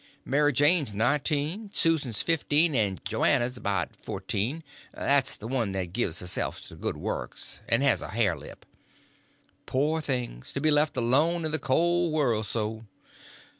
"Mary Jane's nineteen, Susan's fifteen, and Joanna's about fourteen—that's the one that gives herself to good works and has a hare lip." "Poor things! to be left alone in the cold world so."